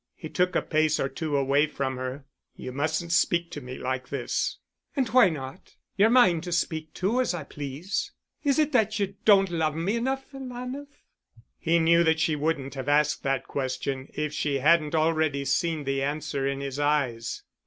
He took a pace or two away from her. "You mustn't speak to me like this." "And why not? You're mine to speak to as I please. Is it that you don't love me enough, alanah?" He knew that she wouldn't have asked that question, if she hadn't already seen the answer in his eyes.